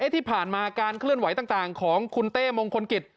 ที่ผ่านมาการเคลื่อนไหวต่างของคุณเต้มงคลกิจ